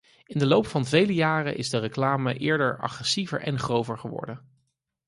In de loop van vele jaren is de reclame eerder agressiever en grover geworden.